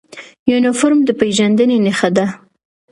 یونفورم د پیژندنې نښه ده